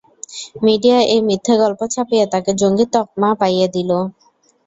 Media এই মিথ্যে গল্প ছাপিয়ে তাকে জঙ্গীর তকমা পাইয়ে দিল।